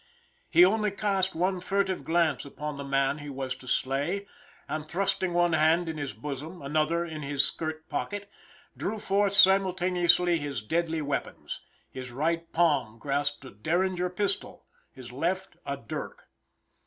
He only cast one furtive glance upon the man he was to slay, and thrusting one hand in his bosom, another in his skirt pocket, drew forth simultaneously his deadly weapons. His right palm grasped a Derringer pistol, his left a dirk.